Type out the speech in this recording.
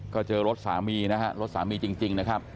ก็เจอรถสามีนะฮะรถสามีจริงนะครับ